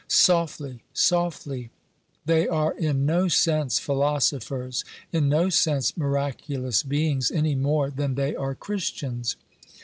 Softly, softly ! They are in no sense philosophers, in no sense miraculous beings, any more than they are Christians.